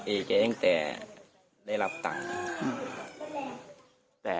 เองแห้งแต่ได้รับตังค์